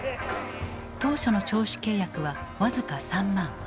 当初の聴取契約は僅か３万。